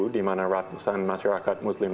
dimana ratusan masyarakat muslim